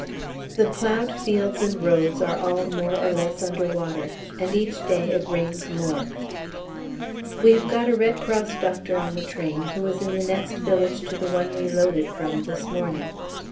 The ploughed fields and roads are all more or less under water, and each day it rains more. We have got a Red Cross doctor on the train who was in the next village to the one we loaded from this morning.